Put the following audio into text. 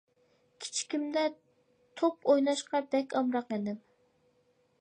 كىچىكىمدە توپ ئويناشقا بەك ئامراق ئىدىم.